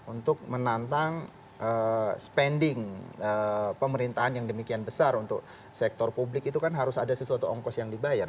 untuk menantang spending pemerintahan yang demikian besar untuk sektor publik itu kan harus ada sesuatu ongkos yang dibayar